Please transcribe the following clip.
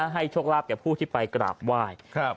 ให้โชคลาภกับผู้ที่ไปกราบว่าย